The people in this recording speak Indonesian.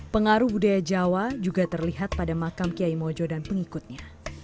pengaruh budaya jawa juga terlihat pada makam kiai mojo dan pengikutnya